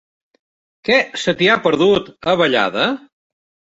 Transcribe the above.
Què se t'hi ha perdut, a Vallada?